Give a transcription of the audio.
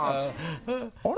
あれ？